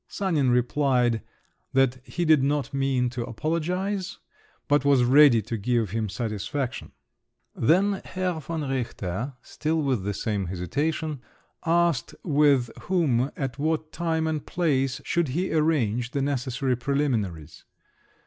Sanin replied that he did not mean to apologise, but was ready to give him satisfaction. Then Herr von Richter, still with the same hesitation, asked with whom, at what time and place, should he arrange the necessary preliminaries.